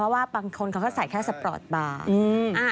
ว่าบางคนเขาก็ใส่แค่สปอร์ตบาร์